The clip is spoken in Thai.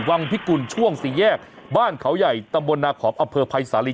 วังพิกุลช่วงสี่แยกบ้านเขาใหญ่ตำบลนาขอมอเภอภัยสาลี